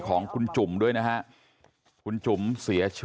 ออกหมายจัดเพิ่ม